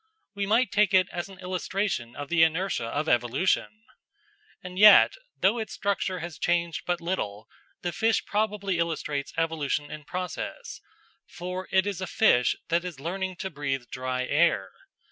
We might take it as an illustration of the inertia of evolution. And yet, though its structure has changed but little, the fish probably illustrates evolution in process, for it is a fish that is learning to breathe dry air.